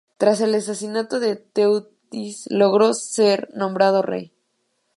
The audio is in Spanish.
Tras el asesinato de Teudis logró ser nombrado rey.